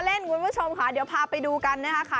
แล้วเล่นคุณผู้ชมค่ะเดี๋ยวพาไปดูกันนะคะค่ะ